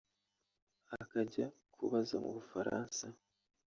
akajya kubaza mu Bufaransa